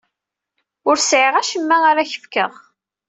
Ur sɛiɣ acemma ara ak-fkeɣ.